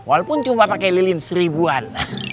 walaupun cuma pakai lilin seribuan